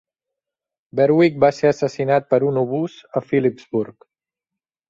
Berwick va ser assassinat per un obús a Philippsburg.